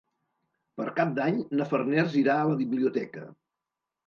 Per Cap d'Any na Farners irà a la biblioteca.